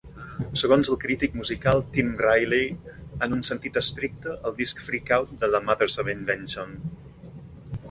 Segons el crític musical Tim Riley, "En un sentit estricte, el disc "Freak Out!" de The Mothers of Invention"